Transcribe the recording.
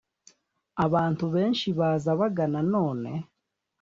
abantu benshi baza bagana, none